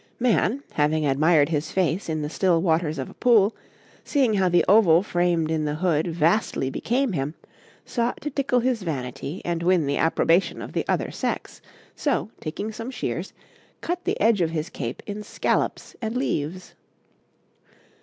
Man, having admired his face in the still waters of a pool, seeing how the oval framed in the hood vastly became him, sought to tickle his vanity and win the approbation of the other sex, so, taking some shears, cut the edge of his cape in scallops and leaves.